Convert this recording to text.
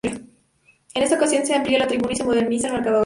En esta ocasión se amplia la tribuna, y se moderniza el marcador.